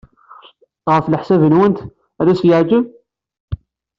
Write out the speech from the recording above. Ɣef leḥsab-nwent, ad as-yeɛjeb?